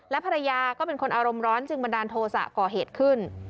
ภรรยาก็เป็นคนอารมณ์ร้อนจึงบันดาลโทษะก่อเหตุขึ้น